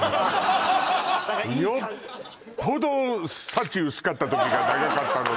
よっぽど幸薄かった時が長かったのね